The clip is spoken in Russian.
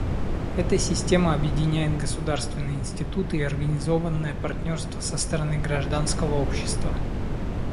Эта система объединяет государственные институты и организованное партнерство со стороны гражданского общества.